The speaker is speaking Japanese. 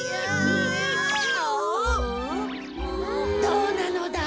どうなのだ？